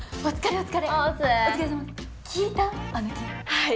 はい！